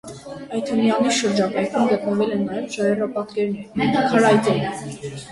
Ադըյամանի շրջակայքում գտնվել են նաև ժայռապատկերներ (քարայծերի)։